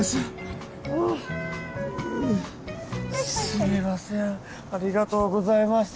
すみませんありがとうございました。